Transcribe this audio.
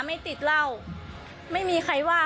ไม่ติดเหล้า